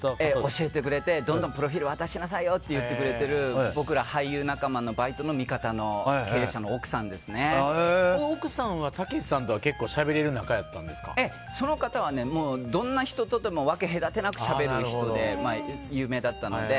教えてくれてどんどんプロフィール渡しなさいよって言ってくれてる僕ら俳優仲間のバイトの味方の奥さんは、たけしさんとはその方はどんな人とでも分け隔てなくしゃべる人で有名だったので。